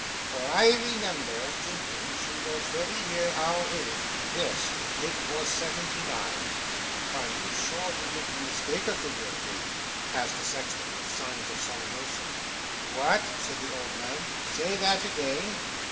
'For I remember thinking she was very near our age. Yes, it was seventy nine.' 'Are you sure you didn't mistake a figure, Davy?' asked the sexton, with signs of some emotion. 'What?' said the old man. 'Say that again.